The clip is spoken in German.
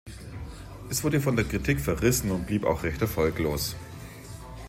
Es wurde von der Kritik verrissen und blieb auch recht erfolglos.